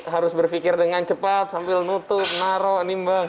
harus berpikir dengan cepat sambil nutup naro nimbang